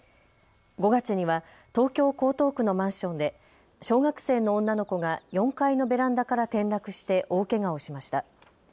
５月には東京江東区のマンションで小学生の女の子が４階のベランダから転落して大けがをしました。